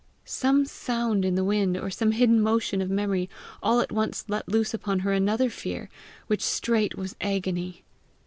Some sound in the wind or some hidden motion of memory all at once let loose upon her another fear, which straight was agony.